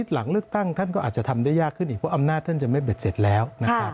เหลือตั้งท่านก็อาจจะทำได้ยากขึ้นอีกเพราะอำนาจจะไม่เบิดเสร็จแล้ว